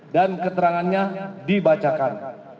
dan keterangannya dibacakan